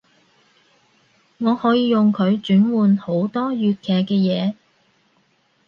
我可以用佢轉換好多粵劇嘅嘢